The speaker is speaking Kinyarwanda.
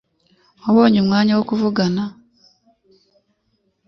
Wabonye umwanya wo kuvugana na ?